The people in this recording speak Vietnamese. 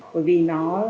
bởi vì nó